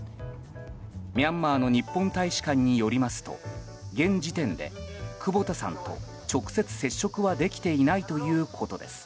ミャンマーの日本大使館によりますと現時点で、久保田さんと直接、接触はできていないということです。